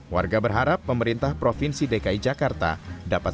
warga berharap pemerintah provinsi dki jakarta dapat